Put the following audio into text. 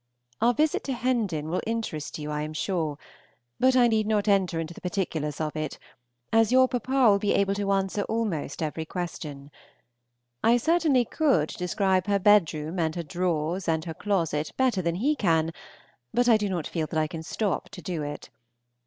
Our visit to Hendon will interest you, I am sure; but I need not enter into the particulars of it, as your papa will be able to answer almost every question. I certainly could describe her bedroom and her drawers and her closet better than he can, but I do not feel that I can stop to do it.